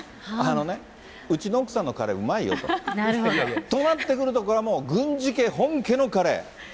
あのね、うちの奥さんのカレーうまいよと。となってくると、これはもう、郡司家、本家のカレー。